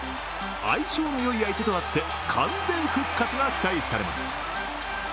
相性のいい相手とあって、完全復活が期待されます。